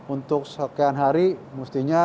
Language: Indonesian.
untuk sekian hari mestinya